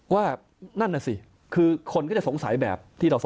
ว่านั่นนะสิคือคนก็จะสงสัยแบบ